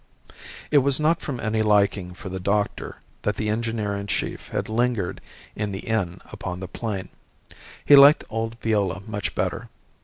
It was not from any liking for the doctor that the engineer in chief had lingered in the inn upon the plain. He liked old Viola much better.